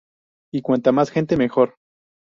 Y cuanta más gente, mejor.